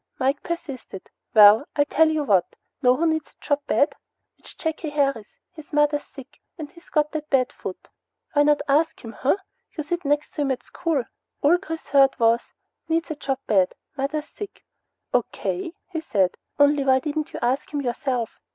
Mike persisted. "Well, I'll tell you what. Know who needs a job bad? That's Jakey Harris. His mother's sick, and he's got that bad foot. Whyncha ask for him, huh? You sit next to him at school." All Chris heard was " needs a job bad mother's sick." "O.K.," he said. "Only why didn't you ask him yourself?"